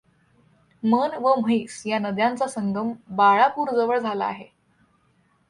मन व म्हैस या नद्यांचा संगम बाळापूर जवळ झाला आहे.